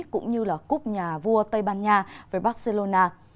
cũng như là cúp nhà vua tây ban nha với barcelona